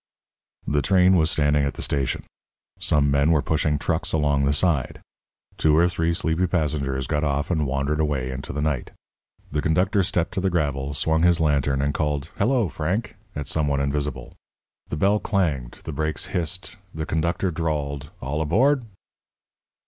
The train was standing at the station. Some men were pushing trucks along the side. Two or three sleepy passengers got off and wandered away into the night. The conductor stepped to the gravel, swung his lantern and called: "Hello, Frank!" at some one invisible. The bell clanged, the brakes hissed, the conductor drawled: "All aboard!"